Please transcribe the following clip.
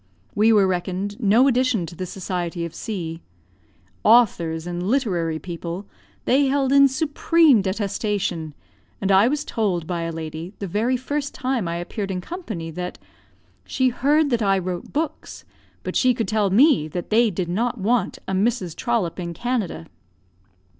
We were reckoned no addition to the society of C . Authors and literary people they held in supreme detestation; and I was told by a lady, the very first time I appeared in company, that "she heard that I wrote books, but she could tell me that they did not want a Mrs. Trollope in Canada."